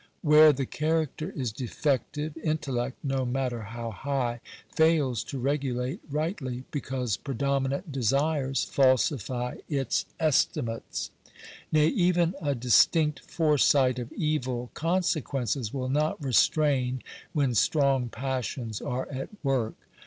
Where the character is defective, intellect, no matter how high, fails to regulate rightly, because predominant desires falsify its estimates. Nay, even a distinct foresight of evil con sequences will not restrain when strong passions are at work.